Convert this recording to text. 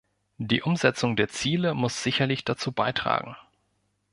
Die Umsetzung der Ziele muss sicherlich dazu beitragen.